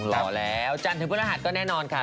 รอแล้วจันทร์ถึงพฤหัสก็แน่นอนค่ะ